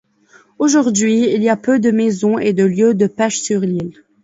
Aujourd'hui, il y a peu de maisons et de lieux de pêche sur l'île.